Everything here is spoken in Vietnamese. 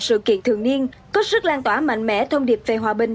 sự kiện thường niên có sức lan tỏa mạnh mẽ thông điệp về hòa bình